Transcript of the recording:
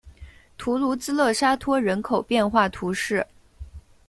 图卢兹勒沙托人口变化图示